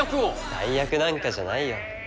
代役なんかじゃないよ。